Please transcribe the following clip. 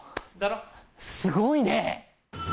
すごいね。